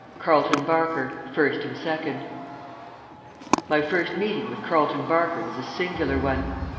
CARLETON BARKER, FIRST AND SECOND My first meeting with Carleton Barker was a singular one.